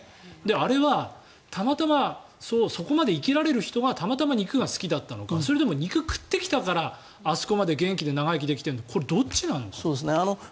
あれはたまたまそこまで生きられる人がたまたま肉が好きだったのかそれとも肉を食ってきたからあそこまで元気で長生きできているのかこれはどっちなんですか？